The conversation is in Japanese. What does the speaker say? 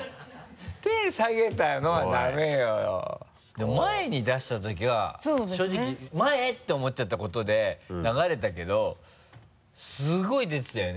でも前に出したときは正直前？って思っちゃったことで流れたけどすごい出てたよね。